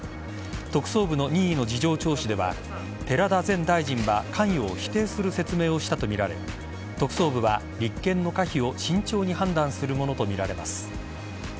特捜部の任意の事情聴取では寺田前大臣は、関与を否定する説明をしたとみられ特捜部は立件の可否を慎重に判断するものとみられます。